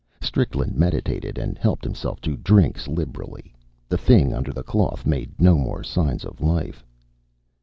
Strickland meditated and helped himself to drinks liberally. The thing under the cloth made no more signs of life.